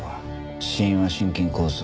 死因は心筋梗塞。